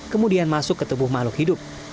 kemudian masuk ke tubuh makhluk hidup